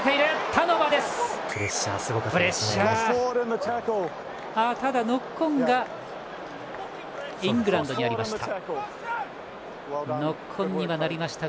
ただノックオンがイングランドにありました。